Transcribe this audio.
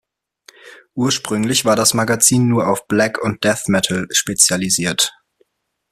Ursprünglich war das Magazin nur auf Black- und Death-Metal spezialisiert.